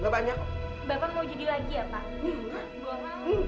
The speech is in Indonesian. bapak mau jadi lagi ya pak